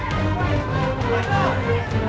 tepuk tangan tepuk tangan